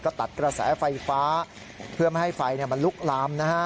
ก็ตัดกระแสไฟฟ้าเพื่อไม่ให้ไฟมันลุกลามนะฮะ